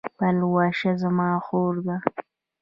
پلوشه زما خور ده